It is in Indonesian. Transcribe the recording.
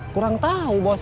kurang tahu bos